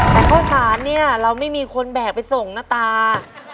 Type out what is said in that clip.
แต่ข้าวสารเนี่ยเราไม่มีคนแบกไปส่งนะตา